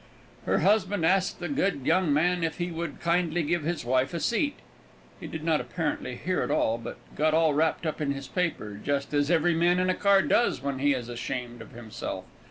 Her husband asked the good young man if he would kindly give his wife a seat. He did not apparently hear at all, but got all wrapped up in his paper, just as every man in a car does when he is ashamed of himself.